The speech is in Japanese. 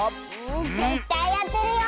ぜったいあてるよ！。